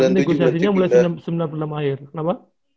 negosiasinya mulai sembilan puluh enam akhir kenapa